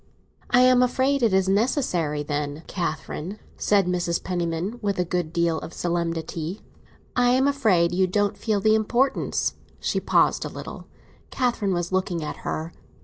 "I am afraid it is necessary, then, Catherine," said Mrs. Penniman, with a good deal of solemnity. "I am afraid you don't feel the importance—" She paused a little; Catherine was looking at her.